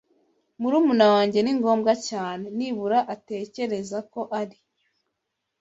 Murumuna wanjye ni ngombwa cyane. Nibura atekereza ko ari.